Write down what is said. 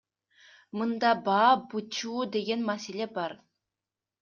Мында баа бычуу деген маселе бар.